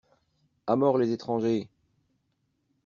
A mort les étrangers!